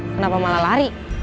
kenapa malah lari